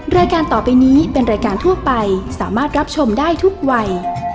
รายการต่อไปนี้เป็นรายการทั่วไปสามารถรับชมได้ทุกวัย